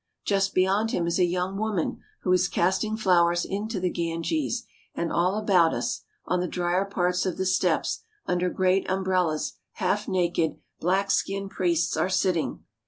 Just beyond him is a young woman who is casting Four Indian Priests, flowers into the Ganges, and all about us, on the drier parts of the steps under great umbrellas, half naked, black skinned priests are sitting.